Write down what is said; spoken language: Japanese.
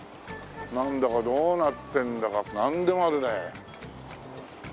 なんだかどうなってんだかなんでもあるね。